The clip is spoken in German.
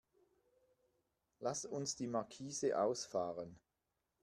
Lass uns die Markise ausfahren.